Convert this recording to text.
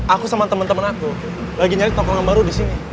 aku sama temen temen aku lagi nyari tokongan baru disini